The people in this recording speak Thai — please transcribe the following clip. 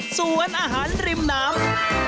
สวนอาหารริมน้ำ